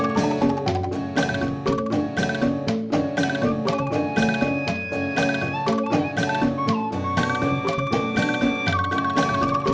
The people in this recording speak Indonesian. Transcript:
semarang semarang semarang